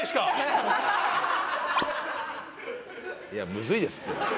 いやむずいですって。